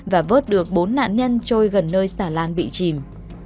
và vớt được bốn nạn nhân trôi gần nơi xà lan bị chìm